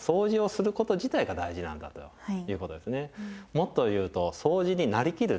もっと言うとそうじになりきる？